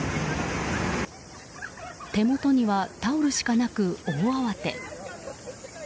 手元にはタオルしかなく大慌て。